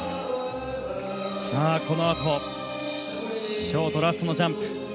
さあ、この後ショートラストのジャンプ。